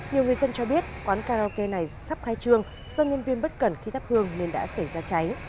nhiều người dân cho biết quán karaoke này sắp khai trương do nhân viên bất cẩn khi thắp hương nên đã xảy ra cháy